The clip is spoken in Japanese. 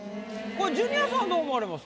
ジュニアさんはどう思われます？